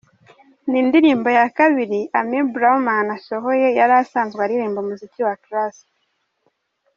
Ni indirimbo ya kabiri Amy Blauman asohoye, yari asanzwe aririmba umuziki wa classic.